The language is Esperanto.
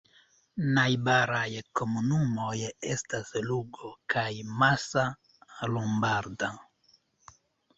Najbaraj komunumoj estas Lugo kaj Massa Lombarda.